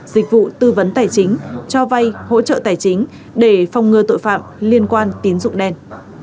dịch vụ tư vấn tài chính cho vay hỗ trợ tài chính để phòng ngừa tội phạm liên quan tín dụng đen